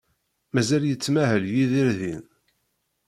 Mazal yettmahal Yidir din?